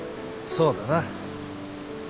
そうだな。